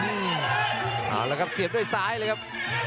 เอาละครับเสียบด้วยซ้ายเลยครับ